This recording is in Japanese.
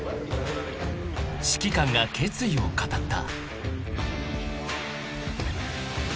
［指揮官が決意を語った］